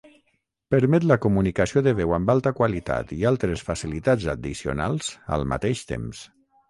Permet la comunicació de veu amb alta qualitat i altres facilitats addicionals al mateix temps.